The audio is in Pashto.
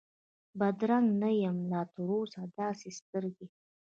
بدرنګه نه یم لا تراوسه داسي سترګې،